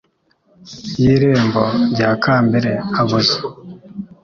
y'irembo rya kambere abuza